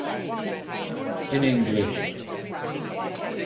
In English